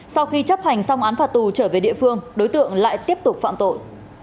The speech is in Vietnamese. sau khi chấp hành xong án phạt tù trở về địa phương đối tượng lại tiếp tục phạm tội